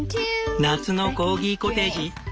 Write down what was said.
夏のコーギコテージ。